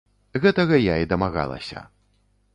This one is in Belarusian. Гэтага я і дамагалася.